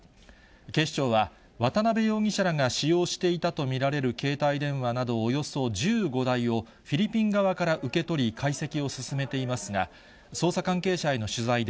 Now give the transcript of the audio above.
警視庁は、渡辺容疑者らが使用していたと見られる携帯電話などおよそ１５台をフィリピン側から受け取り、解析を進めていますが、捜査関係者への取材で、